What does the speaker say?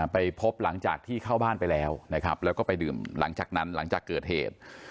ไปพบหลังจากที่เข้าบ้านไปแล้วนะครับแล้วก็ไปดื่มหลังจากนั้นหลังจากเกิดเหตุ